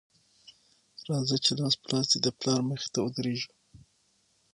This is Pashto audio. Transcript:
راځه چې لاس په لاس دې د پلار مخې ته ودرېږو